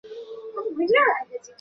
圣蒂耶里人口变化图示